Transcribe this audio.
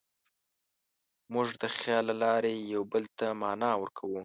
موږ د خیال له لارې یوه بل ته معنی ورکوو.